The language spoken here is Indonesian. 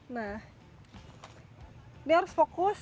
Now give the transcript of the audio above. nah ini harus fokus